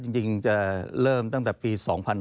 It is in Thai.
จริงจะเริ่มตั้งแต่ปี๒๕๕๙